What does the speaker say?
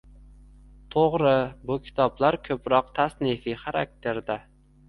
To‘g‘ri, bu kitoblar ko‘proq tasnifiy xarakterda